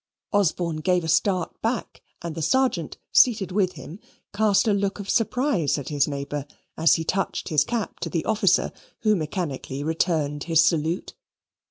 Osborne gave a start back, and the Sergeant, seated with him, cast a look of surprise at his neighbour, as he touched his cap to the officer, who mechanically returned his salute.